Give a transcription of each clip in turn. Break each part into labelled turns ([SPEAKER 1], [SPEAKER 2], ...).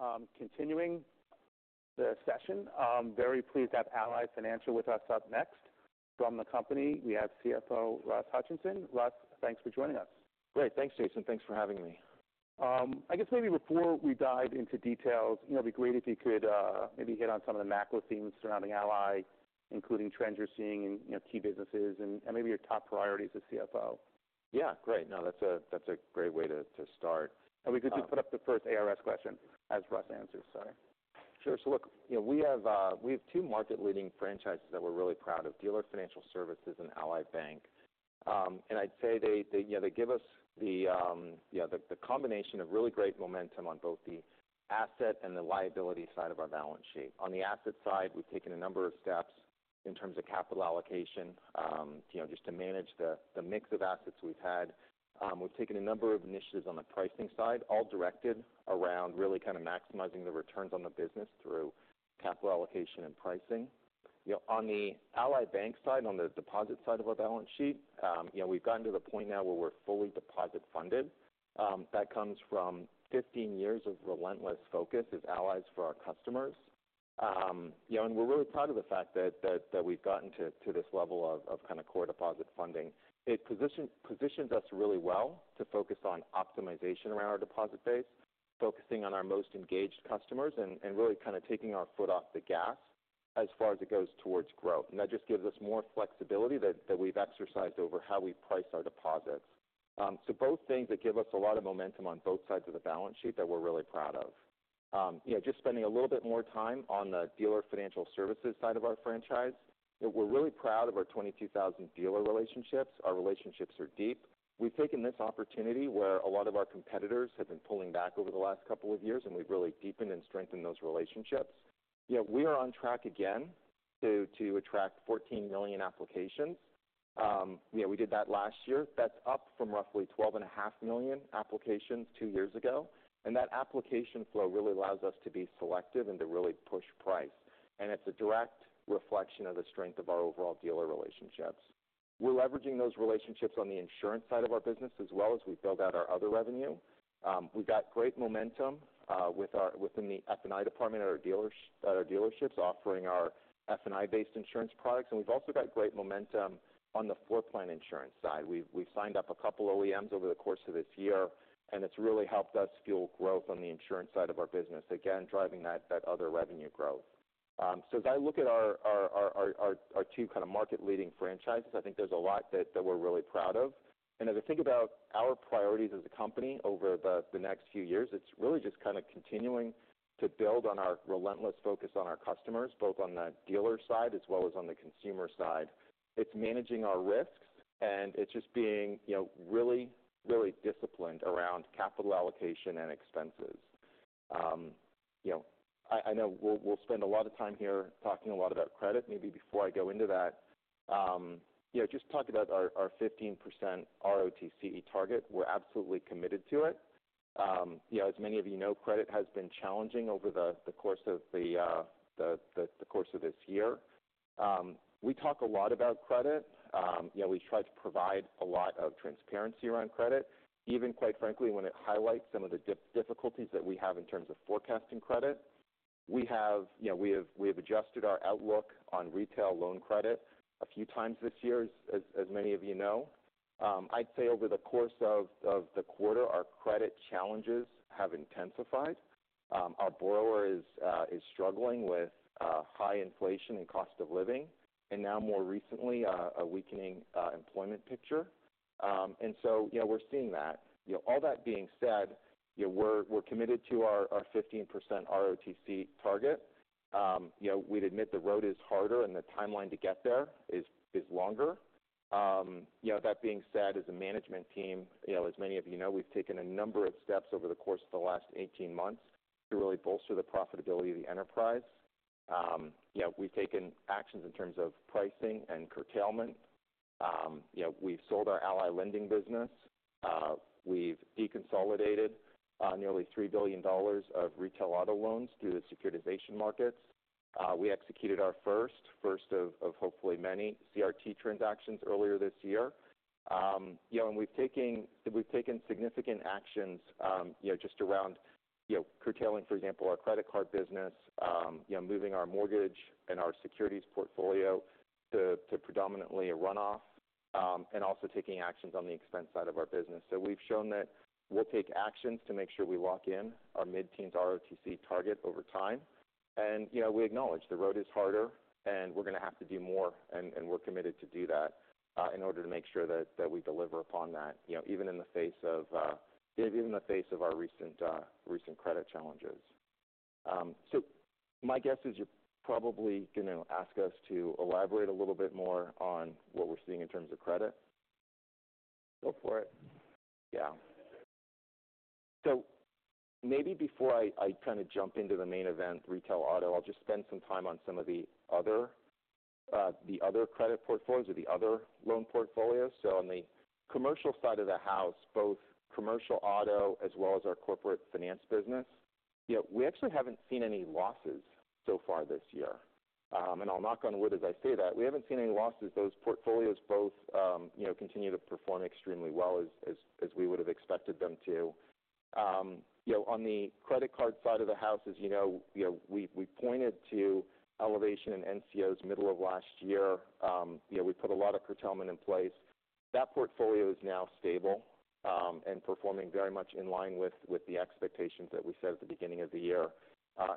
[SPEAKER 1] Great. Continuing the session, I'm very pleased to have Ally Financial with us up next. From the company, we have CFO, Russ Hutchinson. Russ, thanks for joining us.
[SPEAKER 2] Great. Thanks, Jason. Thanks for having me.
[SPEAKER 1] I guess maybe before we dive into details, you know, it'd be great if you could maybe hit on some of the macro themes surrounding Ally, including trends you're seeing in, you know, key businesses and maybe your top priorities as CFO.
[SPEAKER 2] Yeah, great. No, that's a great way to start.
[SPEAKER 1] We could just put up the first ARS question as Russ answers. Sorry.
[SPEAKER 2] Sure. So look, you know, we have two market-leading franchises that we're really proud of, Dealer Financial Services and Ally Bank. And I'd say they, you know, they give us the you know the combination of really great momentum on both the asset and the liability side of our balance sheet. On the asset side, we've taken a number of steps in terms of capital allocation, you know, just to manage the mix of assets we've had. We've taken a number of initiatives on the pricing side, all directed around really kind of maximizing the returns on the business through capital allocation and pricing. You know, on the Ally Bank side, on the deposit side of our balance sheet, you know, we've gotten to the point now where we're fully deposit funded. That comes from fifteen years of relentless focus as allies for our customers. You know, and we're really proud of the fact that we've gotten to this level of kind of core deposit funding. It positions us really well to focus on optimization around our deposit base, focusing on our most engaged customers and really kind of taking our foot off the gas as far as it goes towards growth. And that just gives us more flexibility that we've exercised over how we price our deposits. So both things that give us a lot of momentum on both sides of the balance sheet that we're really proud of. You know, just spending a little bit more time on the Dealer Financial Services side of our franchise, that we're really proud of our 22,000 dealer relationships. Our relationships are deep. We've taken this opportunity where a lot of our competitors have been pulling back over the last couple of years, and we've really deepened and strengthened those relationships. You know, we are on track again to attract fourteen million applications. You know, we did that last year. That's up from roughly twelve and a half million applications two years ago, and that application flow really allows us to be selective and to really push price, and it's a direct reflection of the strength of our overall dealer relationships. We're leveraging those relationships on the insurance side of our business as well as we build out our other revenue. We've got great momentum within the F&I department at our dealerships, offering our F&I-based insurance products, and we've also got great momentum on the floor plan insurance side. We've signed up a couple of OEMs over the course of this year, and it's really helped us fuel growth on the insurance side of our business, again, driving that other revenue growth, so as I look at our two kind of market leading franchises, I think there's a lot that we're really proud of, and as I think about our priorities as a company over the next few years, it's really just kind of continuing to build on our relentless focus on our customers, both on the dealer side as well as on the consumer side. It's managing our risks, and it's just being, you know, really, really disciplined around capital allocation and expenses. You know, I know we'll spend a lot of time here talking a lot about credit. Maybe before I go into that, you know, just talk about our 15% ROTCE target. We're absolutely committed to it. You know, as many of you know, credit has been challenging over the course of this year. We talk a lot about credit. You know, we try to provide a lot of transparency around credit, even quite frankly, when it highlights some of the difficulties that we have in terms of forecasting credit. We have. You know, we have adjusted our outlook on retail loan credit a few times this year, as many of you know. I'd say over the course of the quarter, our credit challenges have intensified. Our borrower is struggling with high inflation and cost of living, and now more recently, a weakening employment picture. And so, you know, we're seeing that. You know, all that being said, you know, we're committed to our 15% ROTCE target. You know, we'd admit the road is harder and the timeline to get there is longer. You know, that being said, as a management team, you know, as many of you know, we've taken a number of steps over the course of the last 18 months to really bolster the profitability of the enterprise. You know, we've taken actions in terms of pricing and curtailment. You know, we've sold our Ally Lending business. We've deconsolidated nearly $3 billion of retail auto loans through the securitization markets. We executed our first of hopefully many CRT transactions earlier this year. You know, and we've taken significant actions, you know, just around, you know, curtailing, for example, our credit card business, you know, moving our mortgage and our securities portfolio to predominantly a runoff, and also taking actions on the expense side of our business. So we've shown that we'll take actions to make sure we lock in our mid-teens ROTCE target over time. You know, we acknowledge the road is harder, and we're going to have to do more, and we're committed to do that in order to make sure that we deliver upon that, you know, even in the face of our recent credit challenges. So, my guess is you're probably going to ask us to elaborate a little bit more on what we're seeing in terms of credit.
[SPEAKER 1] Go for it.
[SPEAKER 2] Yeah. So maybe before I kind of jump into the main event, retail auto, I'll just spend some time on some of the other, the other credit portfolios or the other loan portfolios. So on the commercial side of the house, both commercial auto as well as our corporate finance business, you know, we actually haven't seen any losses so far this year. And I'll knock on wood as I say that, we haven't seen any losses. Those portfolios both, you know, continue to perform extremely well as we would have expected them to. You know, on the credit card side of the house, as you know, we pointed to elevation in NCOs middle of last year. You know, we put a lot of curtailment in place. That portfolio is now stable, and performing very much in line with the expectations that we set at the beginning of the year.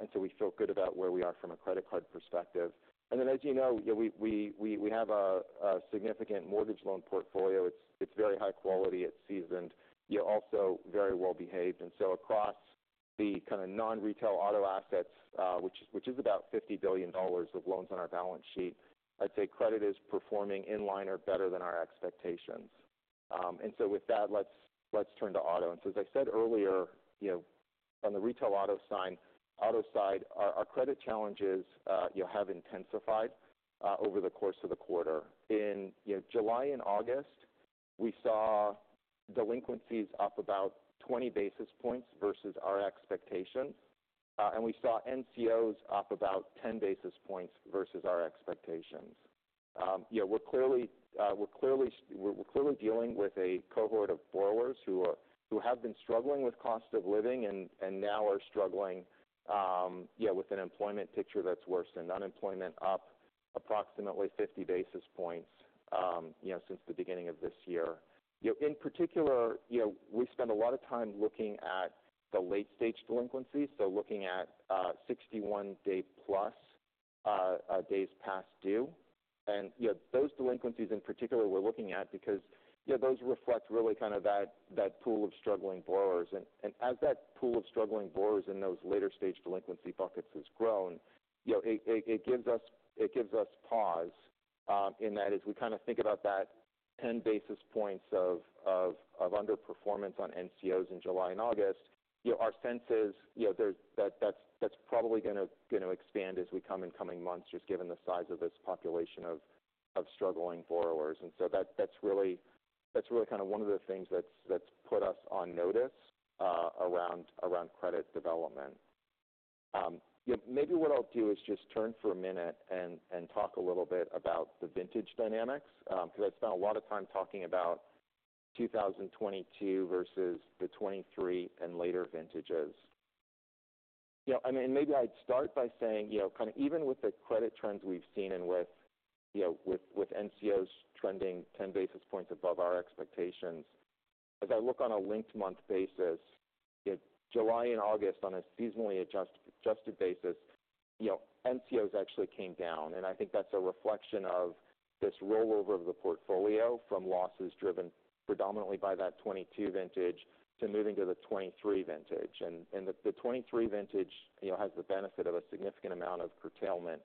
[SPEAKER 2] And so we feel good about where we are from a credit card perspective. And then, as you know, we have a significant mortgage loan portfolio. It's very high quality, it's seasoned, yet also very well behaved. And so across the kind of non-retail auto assets, which is about $50 billion of loans on our balance sheet, I'd say credit is performing in line or better than our expectations. And so with that, let's turn to auto. And so as I said earlier, you know, on the retail auto side, our credit challenges, you know, have intensified over the course of the quarter. In July and August, you know, we saw delinquencies up about 20 basis points versus our expectations, and we saw NCOs up about 10 basis points versus our expectations. You know, we're clearly dealing with a cohort of borrowers who have been struggling with cost of living and now are struggling with an employment picture that's worsened. Unemployment up approximately 50 basis points, you know, since the beginning of this year. You know, in particular, you know, we spend a lot of time looking at the late stage delinquencies, so looking at 61-day-plus days past due. You know, those delinquencies in particular we're looking at, because, you know, those reflect really kind of that pool of struggling borrowers. And as that pool of struggling borrowers in those later stage delinquency buckets has grown, you know, it gives us pause in that as we kind of think about that ten basis points of underperformance on NCOs in July and August, you know, our sense is, you know, there's that that's probably going to expand as we come in coming months, just given the size of this population of struggling borrowers. And so that's really kind of one of the things that's put us on notice around credit development. Maybe what I'll do is just turn for a minute and talk a little bit about the vintage dynamics because I've spent a lot of time talking about 2022 versus the 2023 and later vintages. You know, I mean, maybe I'd start by saying, you know, kind of even with the credit trends we've seen and with, you know, NCOs trending ten basis points above our expectations, as I look on a linked month basis, you know, July and August on a seasonally adjusted basis, you know, NCOs actually came down. And I think that's a reflection of this rollover of the portfolio from losses driven predominantly by that 2022 vintage to moving to the 2023 vintage. The 2023 vintage, you know, has the benefit of a significant amount of curtailment,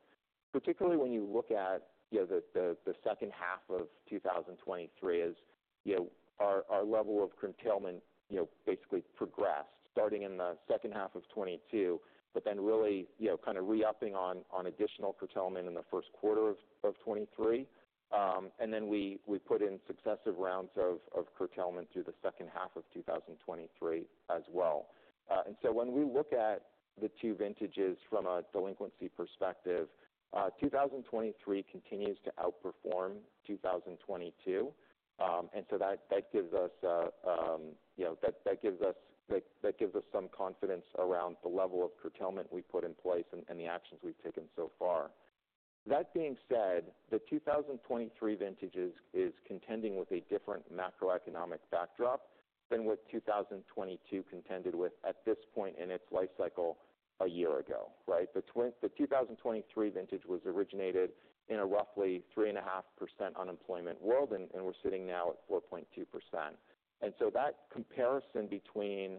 [SPEAKER 2] particularly when you look at, you know, the second half of 2023 as, you know, our level of curtailment, you know, basically progressed, starting in the second half of 2022, but then really, you know, kind of re-upping on additional curtailment in the first quarter of 2023. And then we put in successive rounds of curtailment through the second half of 2023 as well. So when we look at the two vintages from a delinquency perspective, 2023 continues to outperform 2022. And so that gives us, you know, some confidence around the level of curtailment we put in place and the actions we've taken so far. That being said, the 2023 vintages is contending with a different macroeconomic backdrop than what 2022 contended with at this point in its life cycle a year ago, right? The 2023 vintage was originated in a roughly 3.5% unemployment world, and we're sitting now at 4.2%. And so that comparison between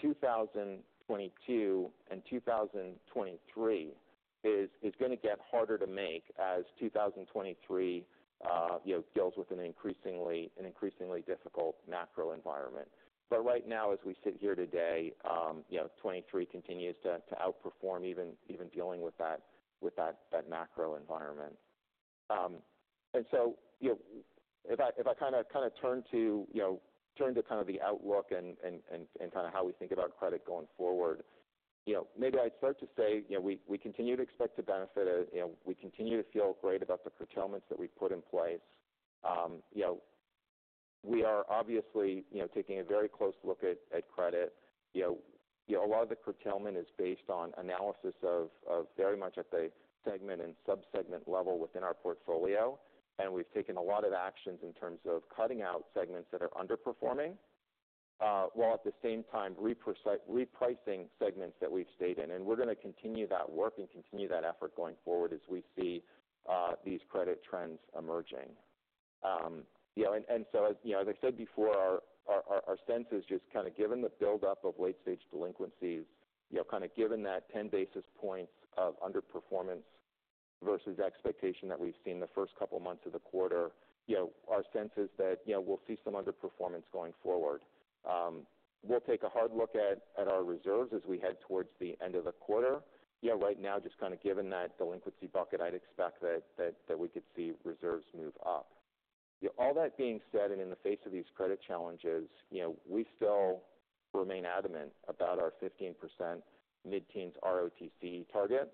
[SPEAKER 2] 2022 and 2023 is going to get harder to make as 2023, you know, deals with an increasingly difficult macro environment. But right now, as we sit here today, you know, 2023 continues to outperform, even dealing with that macro environment. And so, you know, if I kind of turn to, you know, kind of the outlook and kind of how we think about credit going forward, you know, maybe I'd start to say, you know, we continue to expect to benefit and, you know, we continue to feel great about the curtailments that we've put in place. You know, we are obviously taking a very close look at credit. You know, a lot of the curtailment is based on analysis of very much at the segment and subsegment level within our portfolio, and we've taken a lot of actions in terms of cutting out segments that are underperforming, while at the same time repricing segments that we've stayed in. We're going to continue that work and continue that effort going forward as we see these credit trends emerging. You know, and so, as you know, as I said before, our sense is just kind of given the buildup of late stage delinquencies, you know, kind of given that ten basis points of underperformance versus expectation that we've seen the first couple of months of the quarter, you know, our sense is that, you know, we'll see some underperformance going forward. We'll take a hard look at our reserves as we head towards the end of the quarter. Yeah, right now, just kind of given that delinquency bucket, I'd expect that we could see reserves move up. Yeah, all that being said, and in the face of these credit challenges, you know, we still remain adamant about our 15% mid-teens ROTCE target.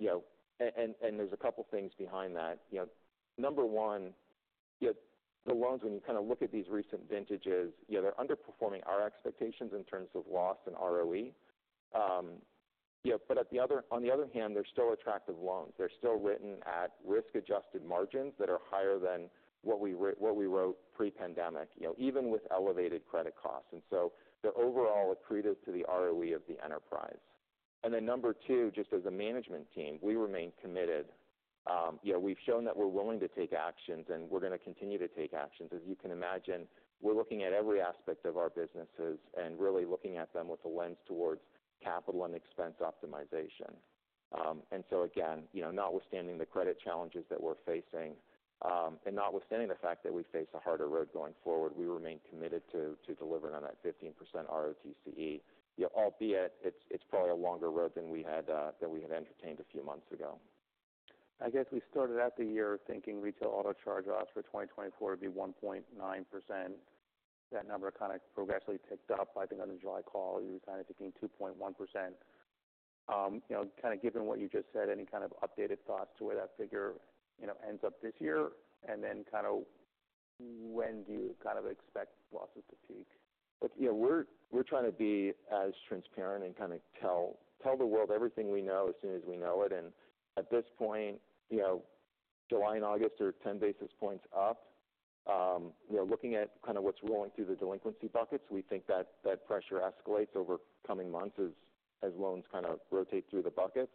[SPEAKER 2] You know, and there's a couple things behind that. You know, number one, the loans, when you kind of look at these recent vintages, yeah, they're underperforming our expectations in terms of loss and ROE. Yeah, but on the other hand, they're still attractive loans. They're still written at risk-adjusted margins that are higher than what we wrote pre-pandemic, you know, even with elevated credit costs. And so they're overall accretive to the ROE of the enterprise. Then number two, just as a management team, we remain committed. Yeah, we've shown that we're willing to take actions, and we're going to continue to take actions. As you can imagine, we're looking at every aspect of our businesses and really looking at them with a lens towards capital and expense optimization. And so again, you know, notwithstanding the credit challenges that we're facing, and notwithstanding the fact that we face a harder road going forward, we remain committed to delivering on that 15% ROTCE. Yeah, albeit it's probably a longer road than we had entertained a few months ago.
[SPEAKER 1] I guess we started out the year thinking retail auto charge-offs for 2024 would be 1.9%. That number kind of progressively ticked up. I think on the July call, you were kind of thinking 2.1%. You know, kind of given what you just said, any kind of updated thoughts to where that figure, you know, ends up this year, and then kind of when do you kind of expect losses to peak?
[SPEAKER 2] Look, you know, we're trying to be as transparent and kind of tell the world everything we know as soon as we know it. And at this point, you know, July and August are 10 basis points up. We're looking at kind of what's rolling through the delinquency buckets. We think that pressure escalates over coming months as loans kind of rotate through the buckets.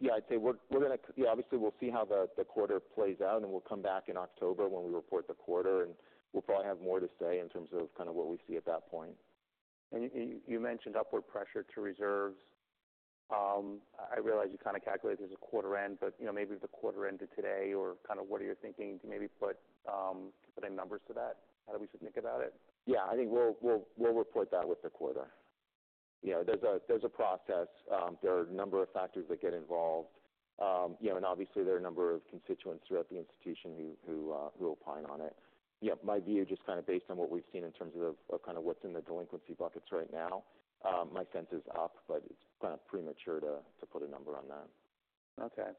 [SPEAKER 2] Yeah, I'd say we're going to. Yeah, obviously, we'll see how the quarter plays out, and we'll come back in October when we report the quarter, and we'll probably have more to say in terms of kind of what we see at that point.
[SPEAKER 1] You mentioned upward pressure to reserves. I realize you kind of calculated as a quarter end, but you know, maybe if the quarter ended today or kind of what are you thinking, putting numbers to that, how we should think about it?
[SPEAKER 2] Yeah, I think we'll report that with the quarter. You know, there's a process. There are a number of factors that get involved. You know, and obviously, there are a number of constituents throughout the institution who opine on it. Yeah, my view, just kind of based on what we've seen in terms of kind of what's in the delinquency buckets right now, my sense is up, but it's kind of premature to put a number on that.
[SPEAKER 1] Okay.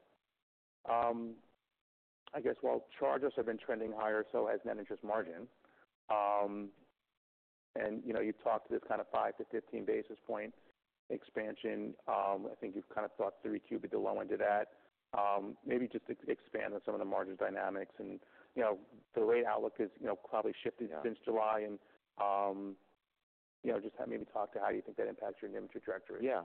[SPEAKER 1] I guess while charges have been trending higher, so has net interest margin. And, you know, you've talked to this kind of 5-15 basis points expansion. I think you've kind of thought 3Q at the low end of that. Maybe just expand on some of the margin dynamics and, you know, the rate outlook is, you know, probably shifted-
[SPEAKER 2] Yeah
[SPEAKER 1] - since July and, you know, just maybe talk to how you think that impacts your NIM trajectory.
[SPEAKER 2] Yeah.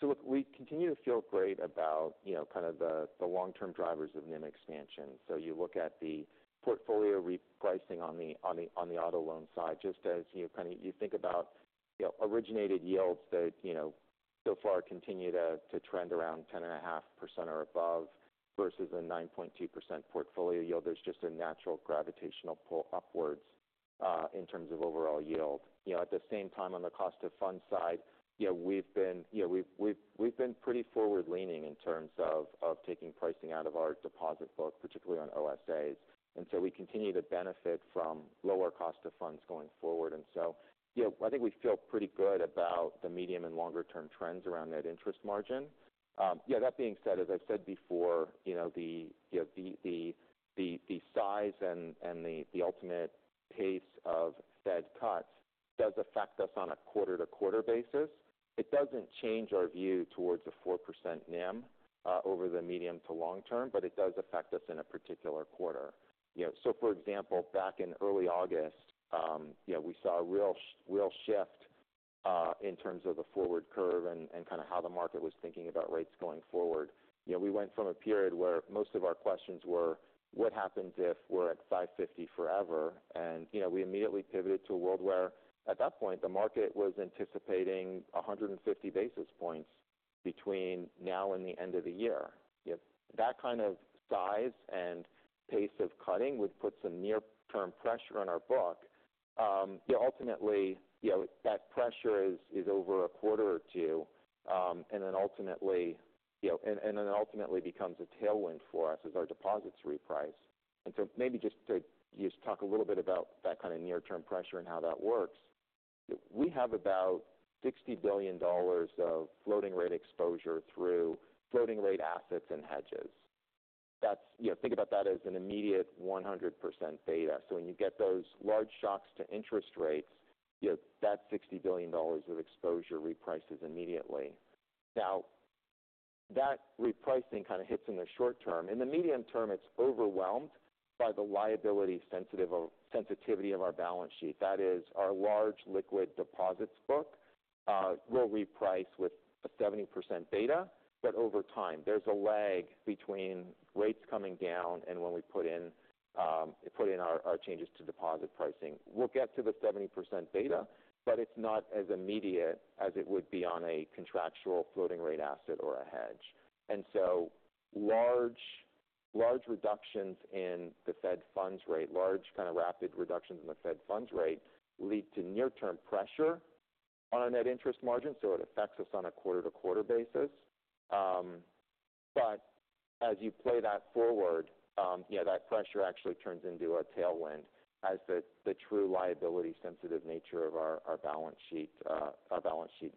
[SPEAKER 2] So look, we continue to feel great about, you know, kind of the long-term drivers of NIM expansion. So you look at the portfolio repricing on the auto loan side, just as, you know, kind of you think about, you know, originated yields that, you know, so far continue to trend around 10.5% or above versus a 9.2% portfolio yield. There's just a natural gravitational pull upwards in terms of overall yield. You know, at the same time, on the cost of funds side, you know, we've been pretty forward-leaning in terms of taking pricing out of our deposit book, particularly on OSAs. And so we continue to benefit from lower cost of funds going forward. And so, you know, I think we feel pretty good about the medium and longer-term trends around net interest margin. Yeah, that being said, as I've said before, you know, the size and the ultimate pace of Fed cuts does affect us on a quarter-to-quarter basis. It doesn't change our view towards a 4% NIM over the medium to long term, but it does affect us in a particular quarter. You know, so for example, back in early August, you know, we saw a real shift in terms of the forward curve and kind of how the market was thinking about rates going forward. You know, we went from a period where most of our questions were: What happens if we're at 5.50% forever? And, you know, we immediately pivoted to a world where, at that point, the market was anticipating 150 basis points between now and the end of the year. If that kind of size and pace of cutting would put some near-term pressure on our book, yeah, ultimately, you know, that pressure is over a quarter or two, and then ultimately, you know, and then ultimately becomes a tailwind for us as our deposits reprice. And so maybe just to talk a little bit about that kind of near-term pressure and how that works. We have about $60 billion of floating rate exposure through floating rate assets and hedges. That's... You know, think about that as an immediate 100% beta. So when you get those large shocks to interest rates, you know, that $60 billion of exposure reprices immediately. Now, that repricing kind of hits in the short term. In the medium term, it's overwhelmed by the liability sensitivity of our balance sheet. That is, our large liquid deposits book will reprice with a 70% beta, but over time, there's a lag between rates coming down and when we put in our changes to deposit pricing. We'll get to the 70% beta, but it's not as immediate as it would be on a contractual floating rate asset or a hedge. And so large reductions in the Fed funds rate, large kind of rapid reductions in the Fed funds rate, lead to near-term pressure on our net interest margin, so it affects us on a quarter-to-quarter basis. But as you play that forward, yeah, that pressure actually turns into a tailwind as the true liability sensitive nature of our balance sheet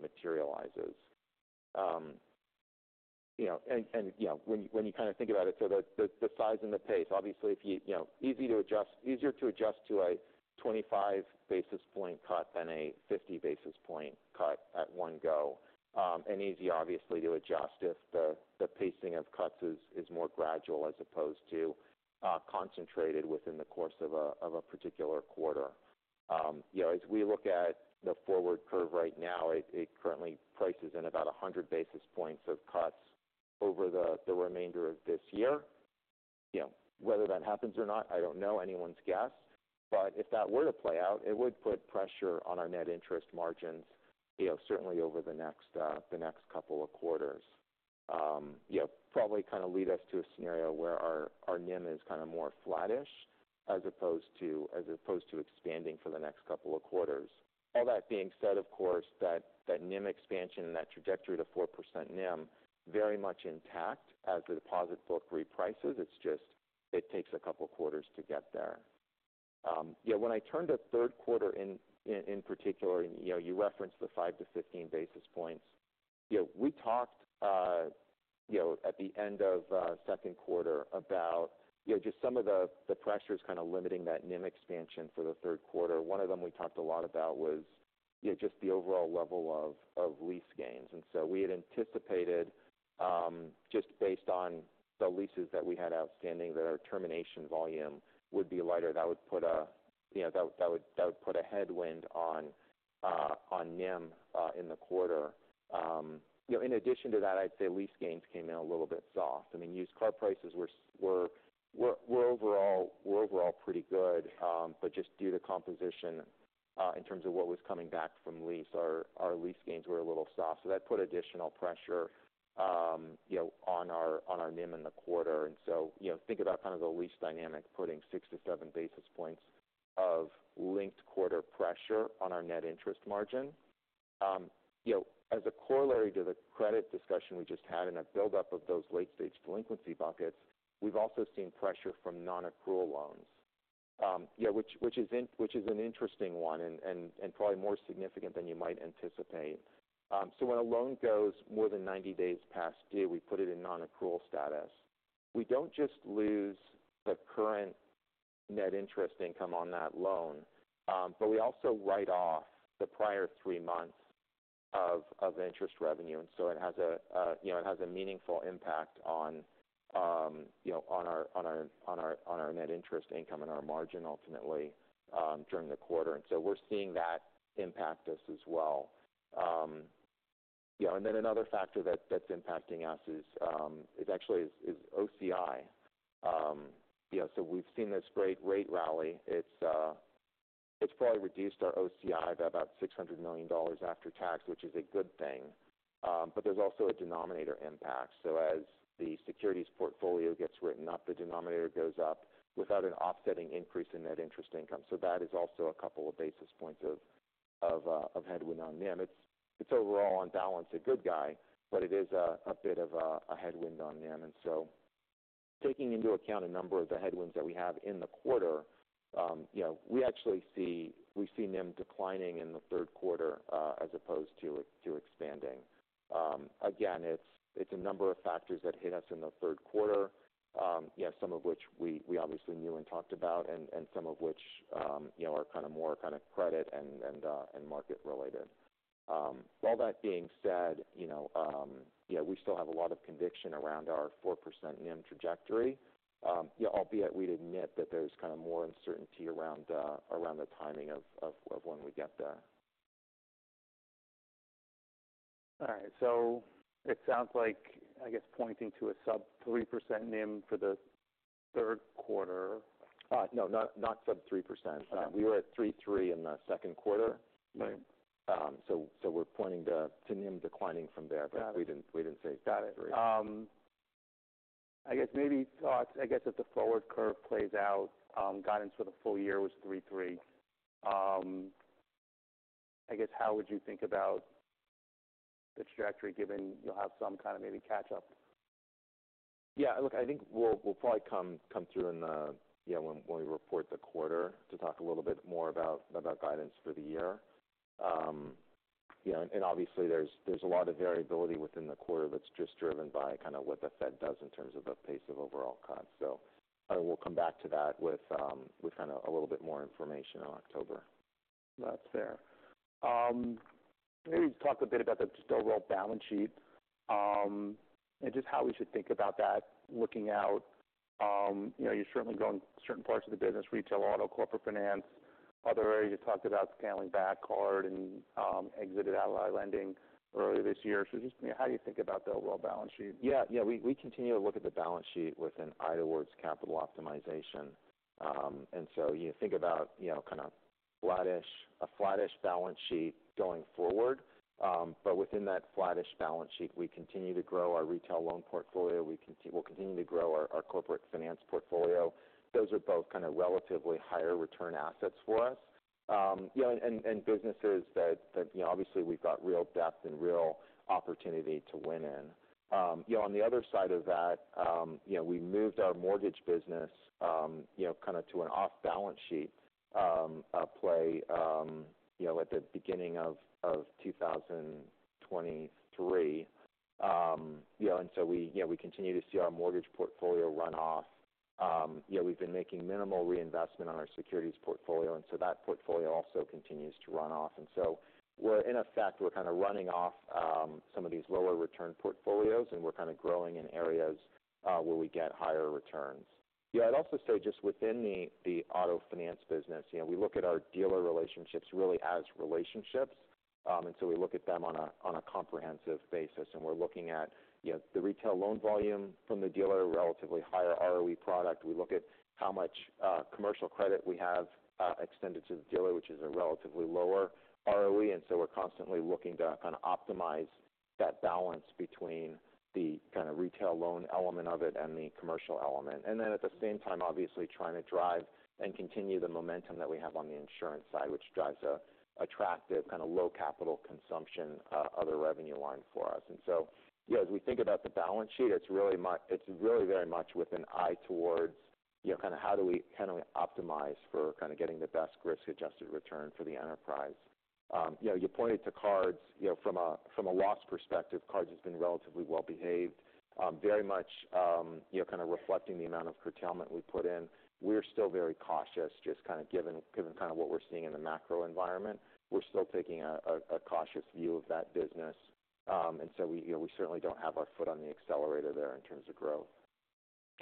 [SPEAKER 2] materializes. You know, and you know, when you kind of think about it, so the size and the pace, obviously if you know, easier to adjust to a 25 basis point cut than a 50 basis point cut at one go. And easy, obviously, to adjust if the pacing of cuts is more gradual as opposed to concentrated within the course of a particular quarter. You know, as we look at the forward curve right now, it currently prices in about 100 basis points of cuts over the remainder of this year. You know, whether that happens or not, I don't know. Anyone's guess. But if that were to play out, it would put pressure on our net interest margins, you know, certainly over the next, the next couple of quarters. Yeah, probably kind of lead us to a scenario where our NIM is kind of more flattish as opposed to expanding for the next couple of quarters. All that being said, of course, that NIM expansion and that trajectory to 4% NIM very much intact as the deposit book reprices. It's just, it takes a couple quarters to get there. Yeah, when I turned to third quarter in particular, and, you know, you referenced the 5-15 basis points. You know, we talked, you know, at the end of second quarter about, you know, just some of the pressures kind of limiting that NIM expansion for the third quarter. One of them we talked a lot about was just the overall level of lease gains. And so we had anticipated, just based on the leases that we had outstanding, that our termination volume would be lighter. That would put a, you know, that would put a headwind on NIM in the quarter. You know, in addition to that, I'd say lease gains came in a little bit soft. I mean, used car prices were overall pretty good. But just due to composition in terms of what was coming back from lease, our lease gains were a little soft. So that put additional pressure, you know, on our NIM in the quarter. And so, you know, think about kind of the lease dynamic putting six to seven basis points of linked quarter pressure on our net interest margin. As a corollary to the credit discussion we just had and a buildup of those late stage delinquency buckets, we've also seen pressure from nonaccrual loans. Yeah, which is an interesting one and probably more significant than you might anticipate. So when a loan goes more than 90 days past due, we put it in nonaccrual status. We don't just lose the current net interest income on that loan, but we also write off the prior 3 months of interest revenue. It has a, you know, it has a meaningful impact on, you know, on our net interest income and our margin ultimately, during the quarter. We're seeing that impact us as well. You know, and then another factor that's impacting us is actually OCI. Yeah, so we've seen this great rate rally. It's probably reduced our OCI by about $600 million after tax, which is a good thing. But there's also a denominator impact. So as the securities portfolio gets written up, the denominator goes up without an offsetting increase in net interest income. That is also a couple of basis points of headwind on NIM. It's overall, on balance, a good guy, but it is a bit of a headwind on NIM. And so taking into account a number of the headwinds that we have in the quarter, you know, we actually see -- we see NIM declining in the third quarter, as opposed to expanding. Again, it's a number of factors that hit us in the third quarter, you know, some of which we obviously knew and talked about, and some of which, you know, are kind of more credit and market related. All that being said, you know, yeah, we still have a lot of conviction around our 4% NIM trajectory. Yeah, albeit we'd admit that there's kind of more uncertainty around the timing of when we'd get there.
[SPEAKER 1] All right. So it sounds like, I guess, pointing to a sub-3% NIM for the third quarter.
[SPEAKER 2] No, not sub 3%.
[SPEAKER 1] Okay.
[SPEAKER 2] We were at 3.3 in the second quarter.
[SPEAKER 1] Right.
[SPEAKER 2] So we're pointing to NIM declining from there.
[SPEAKER 1] Got it.
[SPEAKER 2] But we didn't, we didn't say three.
[SPEAKER 1] Got it. I guess maybe, I guess if the forward curve plays out, guidance for the full year was 3.3%. I guess, how would you think about the trajectory, given you'll have some kind of maybe catch up?
[SPEAKER 2] Yeah, look, I think we'll probably come through in the, you know, when we report the quarter, to talk a little bit more about guidance for the year. You know, and obviously there's a lot of variability within the quarter that's just driven by kind of what the Fed does in terms of the pace of overall cuts. So I will come back to that with kind of a little bit more information in October.
[SPEAKER 1] That's fair. Maybe talk a bit about just the overall balance sheet, and just how we should think about that looking out. You know, you're certainly growing certain parts of the business, retail auto, corporate finance, other areas you talked about scaling back card and exited Ally Lending earlier this year. So just, you know, how do you think about the overall balance sheet?
[SPEAKER 2] Yeah, yeah. We continue to look at the balance sheet with an eye towards capital optimization, and so you think about, you know, a flattish balance sheet going forward, but within that flattish balance sheet, we continue to grow our retail loan portfolio. We'll continue to grow our corporate finance portfolio. Those are both kind of relatively higher return assets for us. Yeah, and businesses that, you know, obviously we've got real depth and real opportunity to win in. You know, on the other side of that, you know, we moved our mortgage business, you know, kind of to an off balance sheet play, you know, at the beginning of 2023. You know, and so we continue to see our mortgage portfolio run off. You know, we've been making minimal reinvestment on our securities portfolio, and so that portfolio also continues to run off. And so we're in effect, we're kind of running off some of these lower return portfolios, and we're kind of growing in areas where we get higher returns. Yeah, I'd also say just within the auto finance business, you know, we look at our dealer relationships really as relationships. And so we look at them on a comprehensive basis, and we're looking at, you know, the retail loan volume from the dealer, relatively higher ROE product. We look at how much commercial credit we have extended to the dealer, which is a relatively lower ROE. And so we're constantly looking to kind of optimize that balance between the kind of retail loan element of it and the commercial element. Then, at the same time, obviously trying to drive and continue the momentum that we have on the insurance side, which drives an attractive, kind of low capital consumption, other revenue line for us. So, you know, as we think about the balance sheet, it's really very much with an eye towards, you know, kind of how do we kind of optimize for kind of getting the best risk-adjusted return for the enterprise? You know, you pointed to cards, you know, from a loss perspective, cards has been relatively well behaved, very much, you know, kind of reflecting the amount of curtailment we put in. We're still very cautious, just kind of given kind of what we're seeing in the macro environment. We're still taking a cautious view of that business. And so we, you know, we certainly don't have our foot on the accelerator there in terms of growth.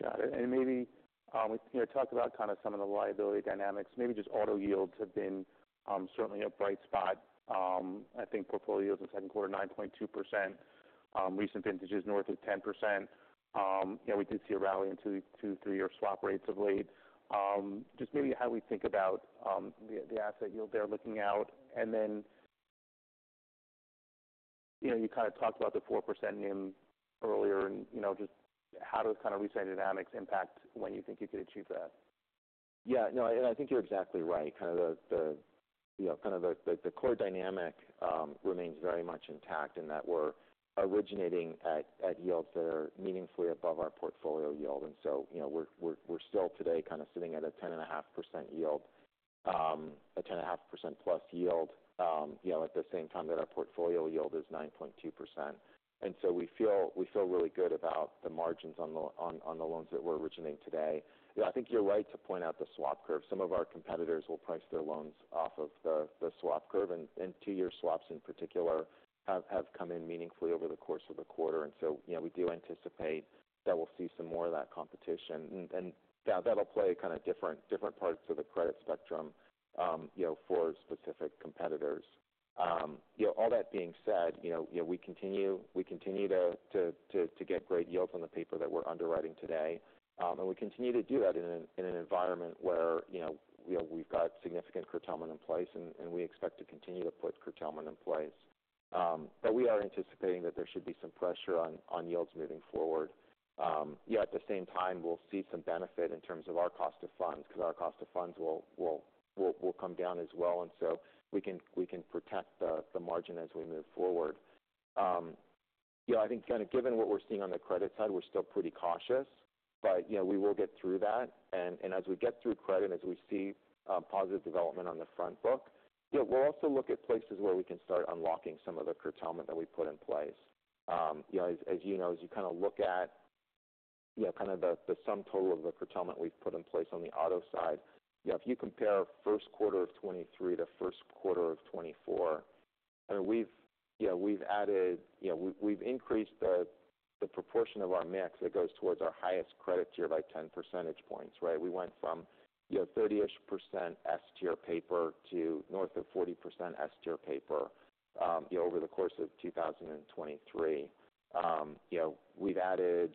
[SPEAKER 1] Got it. And maybe, you know, talk about kind of some of the liability dynamics. Maybe just auto yields have been, certainly a bright spot. I think portfolio yields in the second quarter, 9.2%. Recent vintages north of 10%. You know, we did see a rally in 2- and 3-year swap rates of late. Just maybe how we think about the asset yield there looking out. And then, you know, you kind of talked about the 4% NIM earlier and, you know, just how does kind of recent dynamics impact when you think you could achieve that?
[SPEAKER 2] Yeah. No, and I think you're exactly right. Kind of the core dynamic remains very much intact in that we're originating at yields that are meaningfully above our portfolio yield. And so, you know, we're still today kind of sitting at a 10.5% yield, a 10.5% plus yield, you know, at the same time that our portfolio yield is 9.2%. And so we feel really good about the margins on the loans that we're originating today. Yeah, I think you're right to point out the swap curve. Some of our competitors will price their loans off of the swap curve, and two-year swaps in particular have come in meaningfully over the course of the quarter. And so, you know, we do anticipate that we'll see some more of that competition. And that'll play kind of different parts of the credit spectrum, you know, for specific competitors. All that being said, you know, we continue to get great yields on the paper that we're underwriting today. And we continue to do that in an environment where, you know, we know we've got significant curtailment in place, and we expect to continue to put curtailment in place. But we are anticipating that there should be some pressure on yields moving forward. Yet at the same time, we'll see some benefit in terms of our cost of funds, because our cost of funds will come down as well, and so we can protect the margin as we move forward. Yeah, I think kind of given what we're seeing on the credit side, we're still pretty cautious. But, you know, we will get through that, and as we get through credit and as we see positive development on the front book, you know, we'll also look at places where we can start unlocking some of the curtailment that we put in place. You know, as you know, as you kind of look at the sum total of the curtailment we've put in place on the auto side, you know, if you compare first quarter of 2023 to first quarter of 2024, I mean, we've increased the proportion of our mix that goes towards our highest credit tier by 10 percentage points, right? We went from, you know, 30-ish% S-tier paper to north of 40% S-tier paper, you know, over the course of 2023. You know, we've added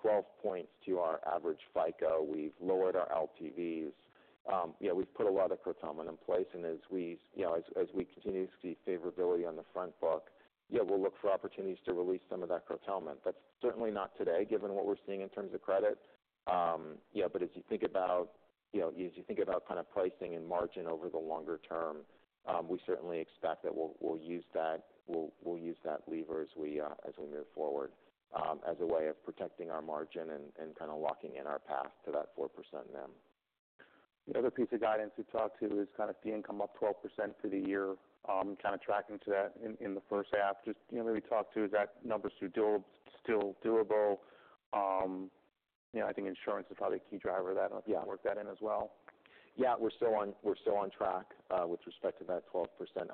[SPEAKER 2] 12 points to our average FICO. We've lowered our LTVs. You know, we've put a lot of curtailment in place, and as we, you know, as we continue to see favorability on the front book, yeah, we'll look for opportunities to release some of that curtailment. That's certainly not today, given what we're seeing in terms of credit. Yeah, but as you think about kind of pricing and margin over the longer term, we certainly expect that we'll use that lever as we move forward, as a way of protecting our margin and kind of locking in our path to that 4% NIM.
[SPEAKER 1] The other piece of guidance you talked to is kind of fee income up 12% for the year, kind of tracking to that in the first half. Just, you know, maybe talk to is that numbers are still doable? You know, I think insurance is probably a key driver of that.
[SPEAKER 2] Yeah.
[SPEAKER 1] I don't know if you can work that in as well.
[SPEAKER 2] Yeah, we're still on track with respect to that 12%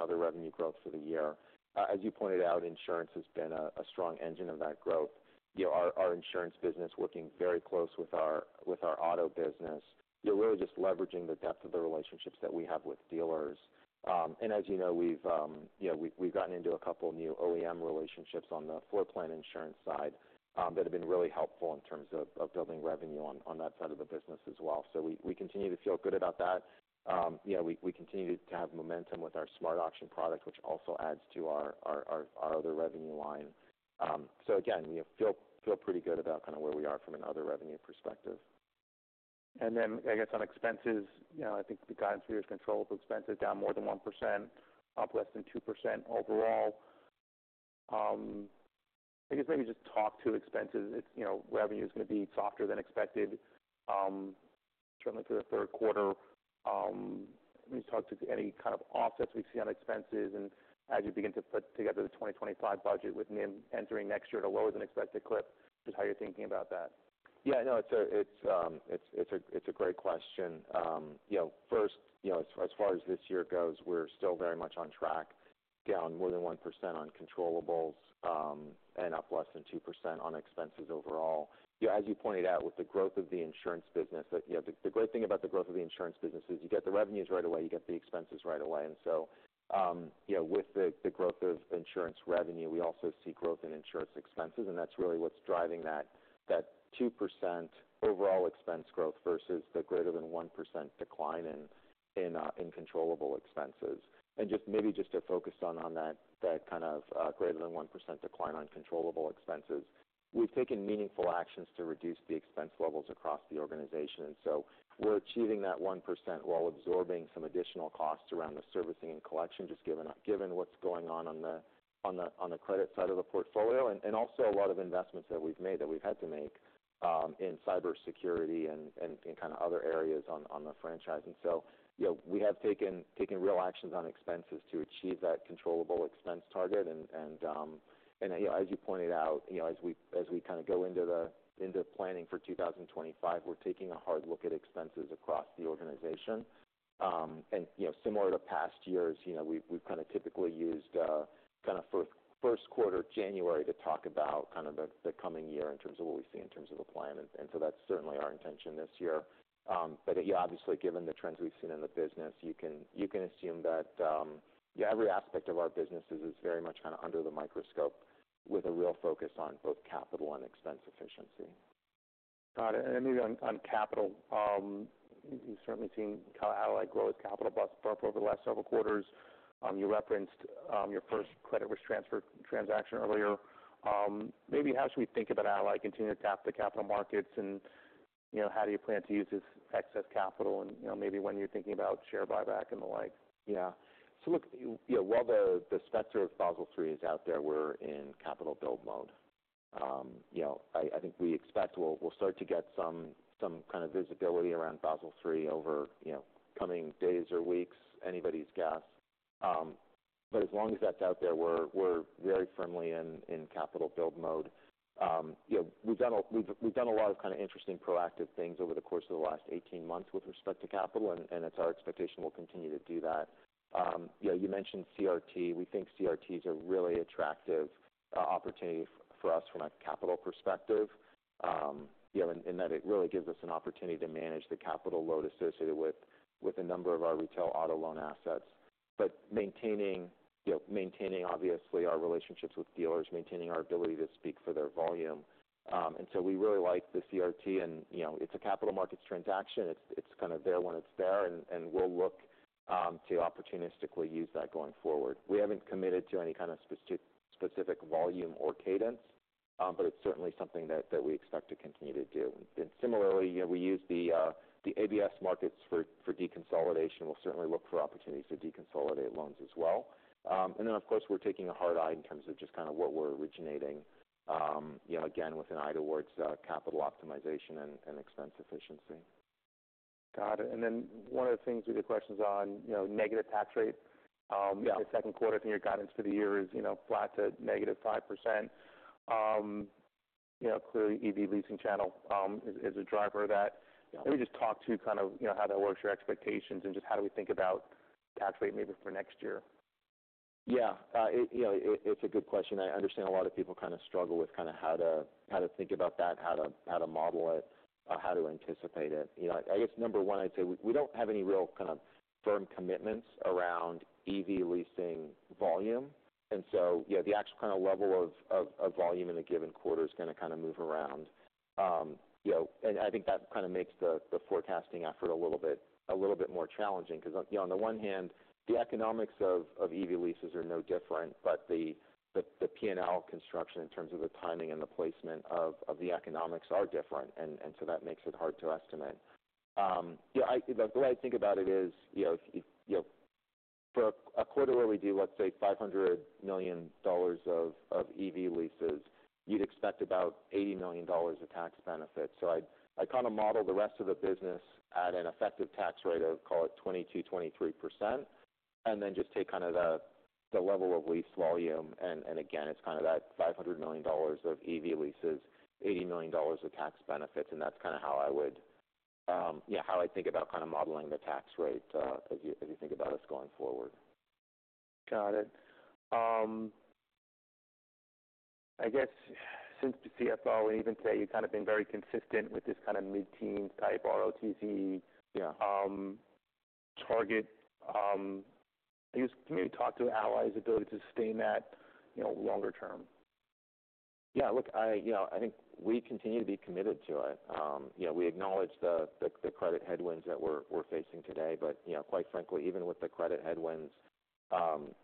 [SPEAKER 2] other revenue growth for the year. As you pointed out, insurance has been a strong engine of that growth. You know, our insurance business working very close with our auto business. You're really just leveraging the depth of the relationships that we have with dealers. And as you know, we've gotten into a couple of new OEM relationships on the floor plan insurance side that have been really helpful in terms of building revenue on that side of the business as well. So we continue to feel good about that. Yeah, we continue to have momentum with our SmartAuction product, which also adds to our other revenue line. So again, we feel pretty good about kind of where we are from another revenue perspective.
[SPEAKER 1] ...And then I guess on expenses, you know, I think the guidance for you is controllable expenses down more than 1%, up less than 2% overall. I guess maybe just talk to expenses. If, you know, revenue is going to be softer than expected, certainly through the third quarter. Can you talk to any kind of offsets we see on expenses and as you begin to put together the 2025 budget, with NIM entering next year at a lower than expected clip, just how you're thinking about that?
[SPEAKER 2] Yeah, no, it's a great question. You know, first, you know, as far as this year goes, we're still very much on track, down more than 1% on controllables, and up less than 2% on expenses overall. You know, as you pointed out, with the growth of the insurance business, that, you know, the great thing about the growth of the insurance business is you get the revenues right away, you get the expenses right away. And so, yeah, with the growth of insurance revenue, we also see growth in insurance expenses, and that's really what's driving that 2% overall expense growth versus the greater than 1% decline in controllable expenses. And just maybe to focus on that kind of greater than 1% decline on controllable expenses. We've taken meaningful actions to reduce the expense levels across the organization, and so we're achieving that 1% while absorbing some additional costs around the servicing and collection, just given what's going on on the credit side of the portfolio, and also a lot of investments that we've made that we've had to make in cybersecurity and in kind of other areas on the franchise. And so, you know, we have taken real actions on expenses to achieve that controllable expense target. You know, as you pointed out, you know, as we kind of go into planning for 2025, we're taking a hard look at expenses across the organization. You know, similar to past years, you know, we've kind of typically used first quarter January to talk about the coming year in terms of what we see in terms of the plan. So that's certainly our intention this year. But yeah, obviously, given the trends we've seen in the business, you can assume that yeah, every aspect of our businesses is very much kind of under the microscope with a real focus on both capital and expense efficiency.
[SPEAKER 1] Got it. And maybe on capital, we've certainly seen Ally grow its capital buffer over the last several quarters. You referenced your first credit risk transfer transaction earlier. Maybe how should we think about Ally continuing to tap the capital markets and, you know, how do you plan to use this excess capital? And, you know, maybe when you're thinking about share buyback and the like.
[SPEAKER 2] Yeah. So look, you know, while the specter of Basel III is out there, we're in capital build mode. You know, I think we expect we'll start to get some kind of visibility around Basel III over, you know, coming days or weeks, anybody's guess. But as long as that's out there, we're very firmly in capital build mode. You know, we've done a lot of kind of interesting proactive things over the course of the last eighteen months with respect to capital, and it's our expectation we'll continue to do that. You know, you mentioned CRT. We think CRTs are really attractive opportunity for us from a capital perspective. You know, and that it really gives us an opportunity to manage the capital load associated with a number of our retail auto loan assets. But maintaining, you know, maintaining obviously our relationships with dealers, maintaining our ability to speak for their volume. And so we really like the CRT and, you know, it's a capital markets transaction. It's kind of there when it's there, and we'll look to opportunistically use that going forward. We haven't committed to any kind of specific volume or cadence, but it's certainly something that we expect to continue to do. And similarly, you know, we use the ABS markets for deconsolidation. We'll certainly look for opportunities to deconsolidate loans as well. And then of course, we're taking a hard eye in terms of just kind of what we're originating, you know, again, with an eye towards capital optimization and expense efficiency.
[SPEAKER 1] Got it. And then one of the things we get questions on, you know, negative tax rate.
[SPEAKER 2] Yeah.
[SPEAKER 1] The second quarter from your guidance for the year is, you know, flat to negative 5%. You know, clearly, EV leasing channel is a driver of that.
[SPEAKER 2] Yeah.
[SPEAKER 1] Let me just talk to kind of, you know, how that works, your expectations, and just how do we think about tax rate maybe for next year?
[SPEAKER 2] Yeah, you know, it's a good question. I understand a lot of people kind of struggle with kind of how to think about that, how to model it, how to anticipate it. You know, I guess number one, I'd say we don't have any real kind of firm commitments around EV leasing volume. And so, you know, the actual kind of level of volume in a given quarter is going to kind of move around. You know, and I think that kind of makes the forecasting effort a little bit more challenging. Because, you know, on the one hand, the economics of EV leases are no different, but the P&L construction in terms of the timing and the placement of the economics are different, and so that makes it hard to estimate. The way I think about it is, you know, if, you know, for a quarter where we do, let's say, $500 million of EV leases, you'd expect about $80 million of tax benefits. So I kind of model the rest of the business at an effective tax rate of, call it 22%-23%, and then just take kind of the level of lease volume. It's kind of that $500 million of EV leases, $80 million of tax benefits, and that's kind of how I would, how I think about kind of modeling the tax rate, as you think about us going forward.
[SPEAKER 1] Got it. I guess since the CFO has even said you've kind of been very consistent with this kind of mid-teen type ROTCE-
[SPEAKER 2] Yeah...
[SPEAKER 1] target, I guess can you talk to Ally's ability to sustain that, you know, longer term?
[SPEAKER 2] Yeah. Look, you know, I think we continue to be committed to it. You know, we acknowledge the credit headwinds that we're facing today, but you know, quite frankly, even with the credit headwinds,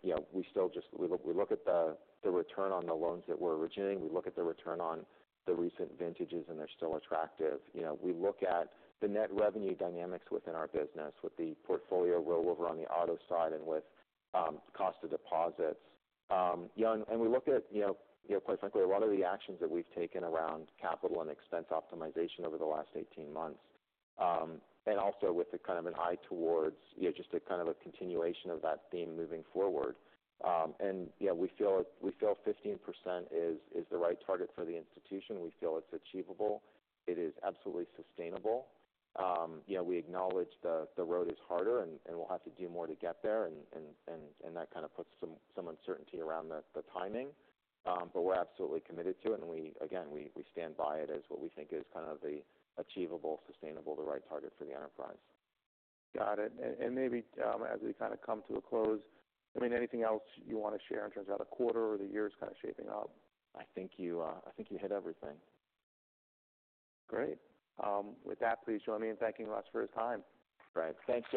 [SPEAKER 2] you know, we still just look at the return on the loans that we're originating. We look at the return on the recent vintages, and they're still attractive. You know, we look at the net revenue dynamics within our business, with the portfolio roll over on the auto side and with cost of deposits. Yeah, and we look at, you know, quite frankly, a lot of the actions that we've taken around capital and expense optimization over the last eighteen months. And also with the kind of an eye towards, you know, just a kind of a continuation of that theme moving forward. Yeah, we feel 15% is the right target for the institution. We feel it's achievable. It is absolutely sustainable. You know, we acknowledge the road is harder and we'll have to do more to get there, and that kind of puts some uncertainty around the timing. But we're absolutely committed to it, and we again stand by it as what we think is kind of the achievable, sustainable, the right target for the enterprise.
[SPEAKER 1] Got it. And maybe, as we kind of come to a close, I mean, anything else you want to share in terms of how the quarter or the year is kind of shaping up?
[SPEAKER 2] I think you hit everything.
[SPEAKER 1] Great. With that, please join me in thanking Russ for his time.
[SPEAKER 2] Great. Thank you.